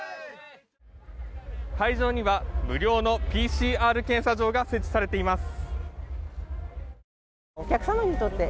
会場には無料のＰＣＲ検査場が設置されています。